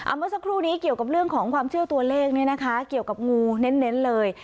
เมื่อสักครู่นี้เกี่ยวกับเรื่องของความเชื่อตัวเลขเนี่ยนะคะเกี่ยวกับงูเน้นเลย